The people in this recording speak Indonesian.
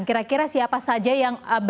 kira kira siapa saja yang mengalami long covid ini